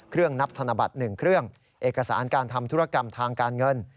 นับธนบัตร๑เครื่องเอกสารการทำธุรกรรมทางการเงิน